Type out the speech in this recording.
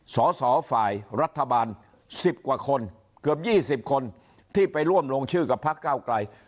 สอสอฝ่ายรัฐบาล๑๐กว่าคนเกือบ๒๐คนที่ไปร่วมลงชื่อกับพักเก้าไกล